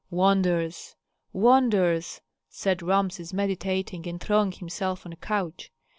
"Wonders! wonders!" said Rameses, meditating, and throwing himself on a couch.